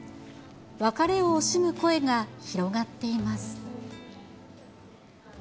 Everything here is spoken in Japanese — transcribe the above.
別れを惜しむ声が広がっています。